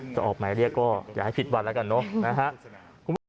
จะออกหมายเรียกก็อย่าให้ผิดวันแล้วกันเนอะนะฮะ